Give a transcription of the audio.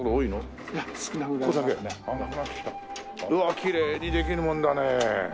きれいにできるもんだね。